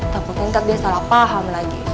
takutnya dia salah paham lagi